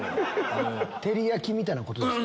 照り焼きみたいなことですか？